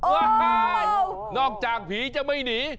โอ้โหนอกจากผีจะไม่หนี